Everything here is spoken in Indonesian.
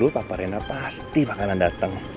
papa rena pasti bakalan dateng